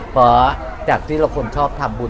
เพราะจากที่เราคนชอบทำบุญ